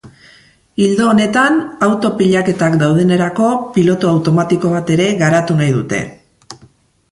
Ildo honetan, auto pilaketak daudenerako pilotu automatiko bat ere garatu nahi dute.